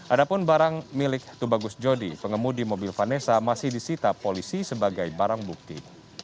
ada pun barang milik tubagus jodi pengemudi mobil vanessa masih disita polisi sebagai barang bukti